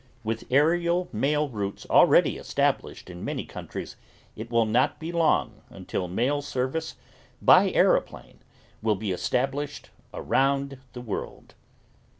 With aerial mail routes already established in many countries it will not be long until mail service by aeroplane will be established around the world.